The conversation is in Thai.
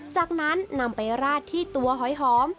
จากนั้นนำไปราดที่ตัวหอยหอม